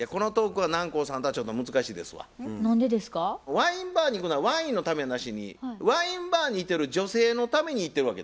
ワインバーに行くのはワインのためやなしにワインバーにいてる女性のために行ってるわけですよ。